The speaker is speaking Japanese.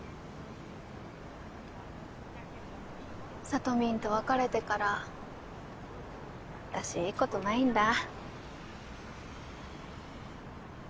サトミンと別れてから私いいことないんだ。